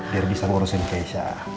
biar bisa ngurusin keisha